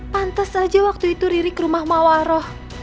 pantes aja waktu itu riri ke rumah mawaroh